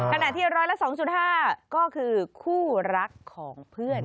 ขณะที่ร้อยละ๒๕ก็คือคู่รักของเพื่อน